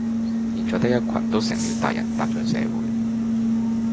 現在的一群都成了大人踏進社會